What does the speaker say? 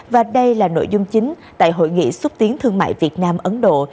và đây là nội dung chính tại hội nghị xúc tiến thương mại việt nam ấn độ